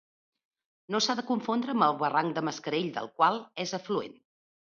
No s'ha de confondre amb el barranc de Mascarell, del qual és afluent.